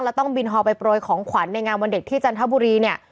แล้วต้องบินฮอลไปโปรยของขวัญในงานวันเด็กที่จันทบุรีเนี่ย